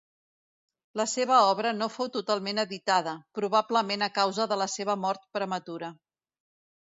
La seva obra no fou totalment editada, probablement a causa de la seva mort prematura.